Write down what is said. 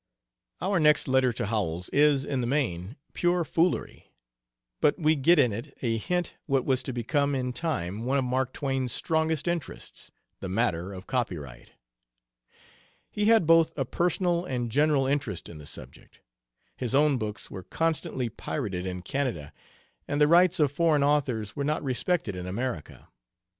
Our next letter to Howells is, in the main, pure foolery, but we get in it a hint what was to become in time one of Mask Twain's strongest interests, the matter of copyright. He had both a personal and general interest in the subject. His own books were constantly pirated in Canada, and the rights of foreign authors were not respected in America.